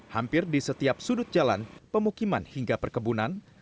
hampir di setiap sudut jalan pemukiman hingga perkebunan